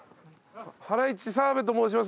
ハライチ澤部と申します。